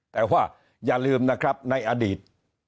แต่ว่าอย่าลืมนะครับในอดีต